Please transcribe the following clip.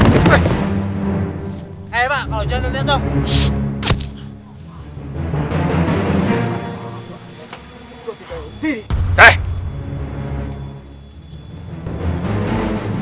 seolahex uploadedoss moyins zoals menggunakan